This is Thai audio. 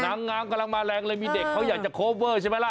นางงามกำลังมาแรงเลยมีเด็กเขาอยากจะโคเวอร์ใช่ไหมล่ะ